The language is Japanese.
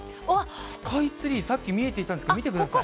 スカイツリー、さっき見えていたんですけど、見てください。